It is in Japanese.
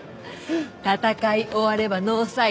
戦い終わればノーサイド。